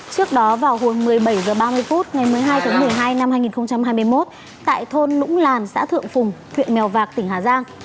trước đó vào hồi một mươi bảy h ba mươi phút ngày một mươi hai tháng một mươi hai năm hai nghìn hai mươi một tại thôn lũng làn xã thượng phùng huyện mèo vạc tỉnh hà giang